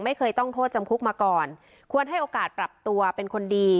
ไม่เคยต้องโทษจำคุกมาก่อนควรให้โอกาสปรับตัวเป็นคนดี